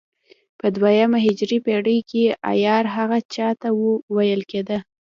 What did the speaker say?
په دوهمه هجري پېړۍ کې عیار هغه چا ته ویل کېده.